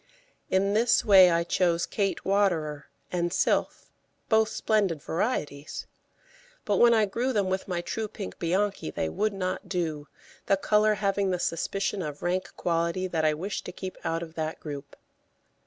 In this way I chose Kate Waterer and Sylph, both splendid varieties; but when I grew them with my true pink Bianchi they would not do, the colour having the suspicion of rank quality that I wished to keep out of that group.